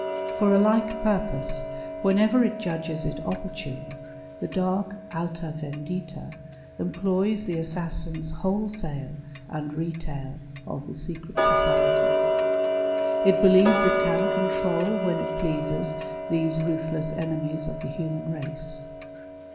For a like purpose, whenever it judges it opportune, the dark Alia Vendita employs the assassins wholesale and retail of the secret societies. It believes it can control when it pleases these ruthless enemies of the human race.